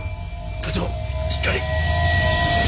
課長しっかり！